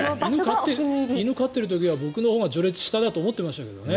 犬を飼っている時は僕のほうが序列が下だと思ってましたけどね。